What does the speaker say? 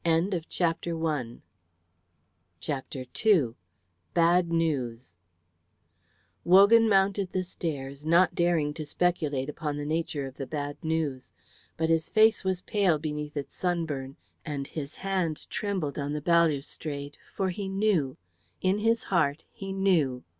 CHAPTER II Wogan mounted the stairs, not daring to speculate upon the nature of the bad news. But his face was pale beneath its sunburn, and his hand trembled on the balustrade; for he knew in his heart he knew.